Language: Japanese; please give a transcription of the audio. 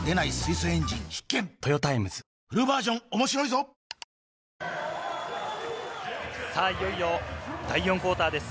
それプラス、いよいよ第４クオーターです。